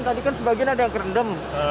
tadi kan sebagian ada yang kerendam